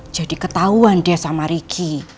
jadi ketahuan deh sama riki